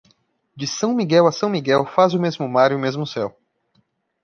De São Miguel a São Miguel faz o mesmo mar e o mesmo céu.